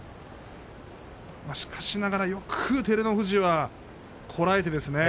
しかしながら、よく照ノ富士はこらえてですね。